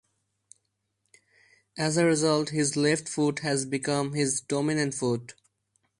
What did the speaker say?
As a result, his left foot has become his dominant foot.